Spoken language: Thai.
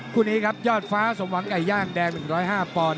คู่นี้ครับยอดฟ้าสมหวังไก่ย่างแดง๑๐๕ปอนด